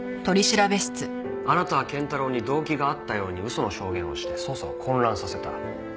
あなたは賢太郎に動機があったように嘘の証言をして捜査を混乱させた。